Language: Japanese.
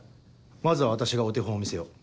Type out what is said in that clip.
まずは私がお手本を見せよう。